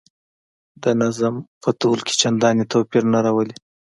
د نظم په تول کې چنداني توپیر نه راولي.